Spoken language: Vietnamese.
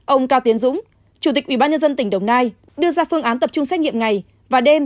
ông cao tiến dũng chủ tịch ubnd tỉnh đồng nai đưa ra phương án tập trung xét nghiệm ngày và đêm